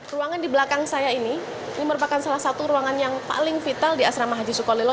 ruangan di belakang saya ini ini merupakan salah satu ruangan yang paling vital di asrama haji sukolilo